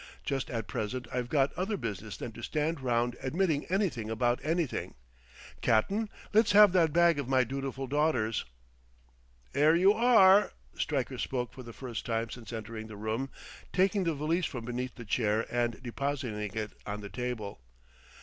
Just at present I've got other business than to stand round admitting anything about anything.... Cap'n, let's have that bag of my dutiful daughter's." "'Ere you are." Stryker spoke for the first time since entering the room, taking the valise from beneath the chair and depositing it on the table.